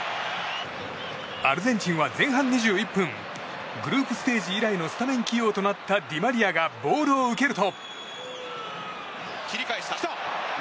アルゼンチンは前半２１分グループステージ以来のスタメン起用となったディマリアがボールを受けると。